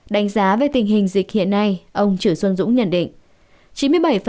đánh giá về tình hình dịch hiện nay ông trưởng xuân dũng nhận định